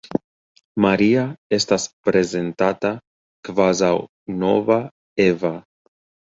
Maria estas prezentata kvazaŭ nova Eva.